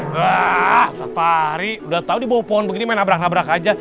wah ustadz fahri udah tau di bawah pohon begini main nabrak nabrak aja